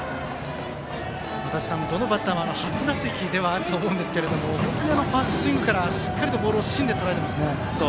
足達さん、どのバッターも初打席ではあると思いますが本当にファーストスイングからしっかりボールを芯でとらえていますね。